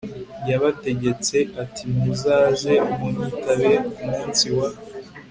yabategetse ati Muzaze munyitabe ku munsi wa